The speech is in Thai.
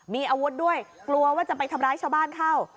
มีอาวุธด้วยกลัวว่าจะไปทำร้ายชาวบ้านเข้า